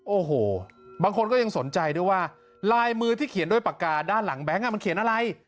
โอ้โหบางคนก็ยังสนใจด้วยว่าลายมือที่เขียนด้วยปากกาด้านหลังแบงค์มันเขียนอะไร